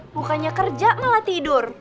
bukannya kerja malah tidur